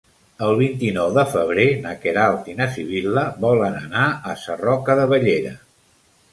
El vint-i-nou de febrer na Queralt i na Sibil·la volen anar a Sarroca de Bellera.